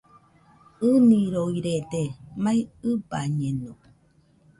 ɨniroirede, mai ɨbañeno